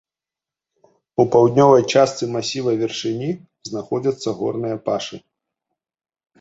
У паўднёвай частцы масіва вяршыні знаходзяцца горныя пашы.